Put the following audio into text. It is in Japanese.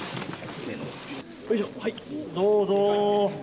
どうぞ。